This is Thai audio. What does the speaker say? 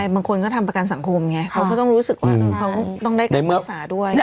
บางคนก็ทำประกันสังคมไงเขาก็ต้องรู้สึกว่าเขาต้องได้รักษาด้วย